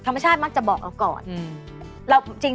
ธรรมชาติมักจะบอกเอาก่อน